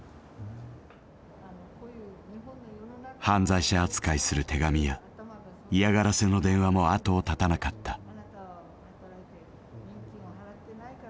犯罪者扱いする手紙や嫌がらせの電話も後を絶たなかった。